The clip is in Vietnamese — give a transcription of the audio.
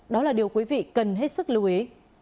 đó là điều quý vị cần hết sức lưu ý